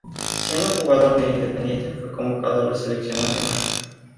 Siendo jugador de Independiente fue convocado a la selección nacional.